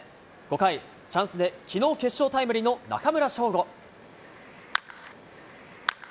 ５回、チャンスできのう決勝タイムリーの中村奨吾。